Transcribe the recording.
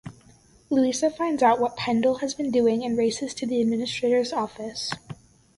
Louisa finds out what Pendel has been doing and races to the Administrator's office.